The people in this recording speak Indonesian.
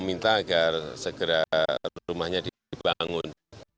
minta agar segera rumahnya dibangun